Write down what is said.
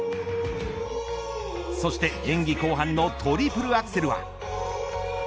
そして演技後半のトリプルアクセルは。